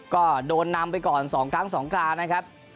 ก็โดนนำไปก่อน๒ครั้ง๒ครานะครับ